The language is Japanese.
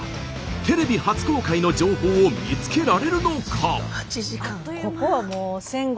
テレビ初公開の情報を見つけられるのか？